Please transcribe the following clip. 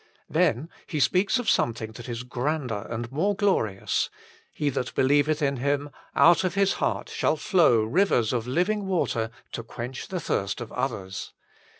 Then He speaks of something that is grander and more glorious : he that belie veth in Him, out of his heart shall flow rivers of living water to quench the thirst of others.